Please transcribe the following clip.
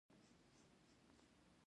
د واورې پاکولو ماشینري شته؟